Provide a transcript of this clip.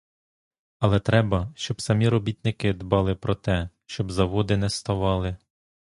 Але треба, щоб самі робітники дбали про те, щоб заводи не ставали.